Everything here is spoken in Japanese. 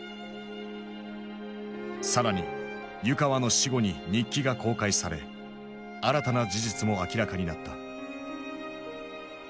更に湯川の死後に日記が公開され新たな事実も明らかになった。